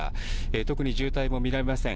特に渋滞も見られません。